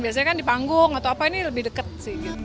biasanya kan di panggung atau apa ini lebih dekat sih